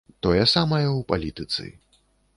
Тое самае ў палітыцы.